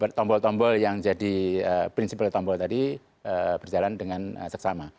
bahwa tombol tombol yang jadi prinsip oleh tombol tadi berjalan dengan seksama